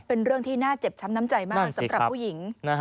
เป็นเรื่องที่น่าเจ็บช้ำน้ำใจมากสำหรับผู้หญิง